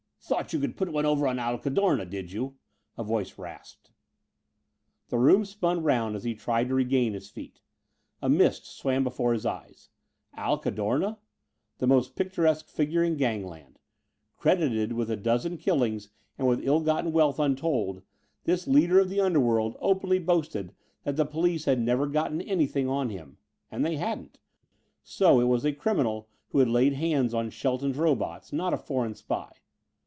"Thought you could put one over on Al Cadorna, did you?" a voice rasped. The room spun round as he tried to regain his feet. A mist swam before his eyes. Al Cadorna! The most picturesque figure in gangland. Credited with a dozen killings and with ill gotten wealth untold, this leader of the underworld openly boasted that the police had never gotten anything on him. And they hadn't. So it was a criminal who had laid hands on Shelton's robots, not a foreign spy.